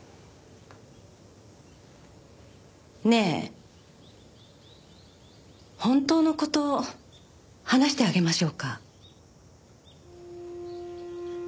ねえ本当の事話してあげましょうか？